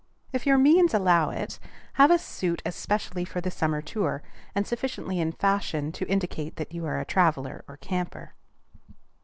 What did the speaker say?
If your means allow it, have a suit especially for the summer tour, and sufficiently in fashion to indicate that you are a traveller or camper.